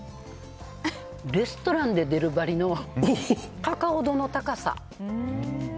レストランで出るばりのカカオ度の高さ。